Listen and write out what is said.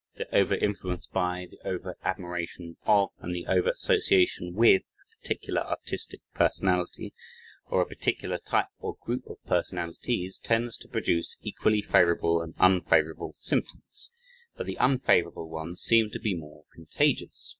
The over influence by, the over admiration of, and the over association with a particular artistic personality or a particular type or group of personalities tends to produce equally favorable and unfavorable symptoms, but the unfavorable ones seem to be more contagious.